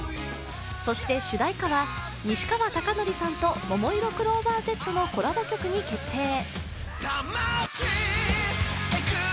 そして、主題歌は西川貴教さんとももいろクローバーＺのコラボ曲に決定。